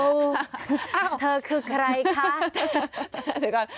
ฮัลโหลถ้าคุณคือใครครับ